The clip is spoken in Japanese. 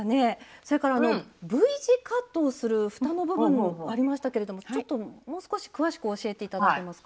それからＶ字カットをするふたの部分もありましたけれどもちょっともう少し詳しく教えて頂けますか？